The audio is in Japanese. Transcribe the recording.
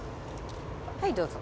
はいどうぞ。